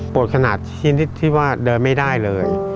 ขนาดชนิดที่ว่าเดินไม่ได้เลย